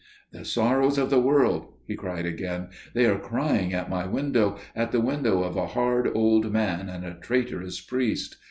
"The sorrows of the world," he cried again; "they are crying at my window, at the window of a hard old man and a traitorous priest